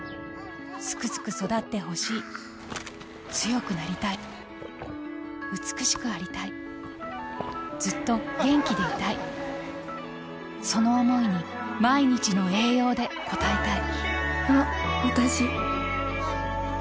スクスク育ってほしい強くなりたい美しくありたいずっと元気でいたいその想いに毎日の栄養で応えたいあっわたし。